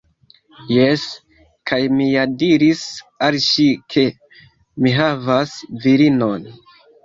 Jes! Kaj mi ja diris al ŝi ke mi havas virinon